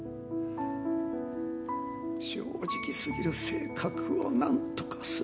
正直すぎる性格をなんとかすれば。